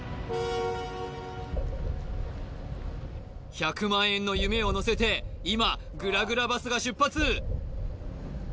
１００万円の夢をのせて今グラグラバスが出発